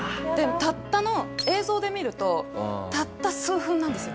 たったの映像で見るとたった数分なんですよ。